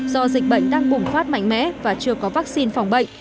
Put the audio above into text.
do dịch bệnh đang bùng phát mạnh mẽ và chưa có vaccine phòng bệnh